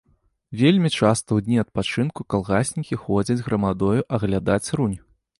Вельмі часта ў дні адпачынку калгаснікі ходзяць грамадою аглядаць рунь.